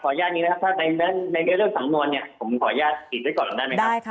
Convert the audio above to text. ผมขออนุญาตอีกได้ก่อนหรือเปล่าได้ค่ะได้ค่ะ